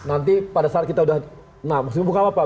nanti pada saat kita udah nah maksudnya buka apa apa